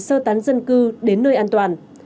sơ tán dân cư đến nơi an toàn